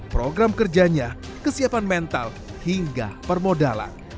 program kerjanya kesiapan mental hingga permodalan